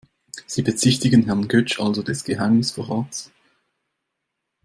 Sie bezichtigen Herrn Götsch also des Geheimnisverrats?